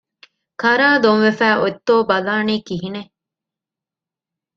ކަރާ ދޮންވެފައި އޮތްތޯ ބަލާނީ ކިހިނެއް؟